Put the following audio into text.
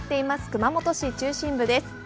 熊本市中心部です。